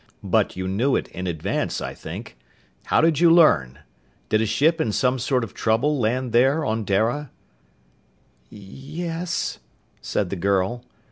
But you knew it in advance, I think. How'd you learn? Did a ship in some sort of trouble land there, on Dara?" "Y yes," said the girl.